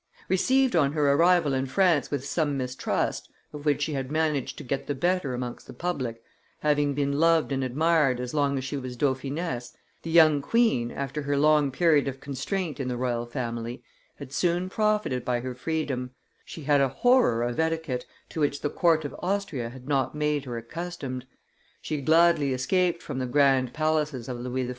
Received on her arrival in France with some mistrust, of which she had managed to get the better amongst the public, having been loved and admired as long as she was dauphiness, the young queen, after her long period of constraint in the royal family, had soon profited by her freedom; she had a horror of etiquette, to which the court of Austria had not made her accustomed; she gladly escaped from the grand palaces of Louis XIV.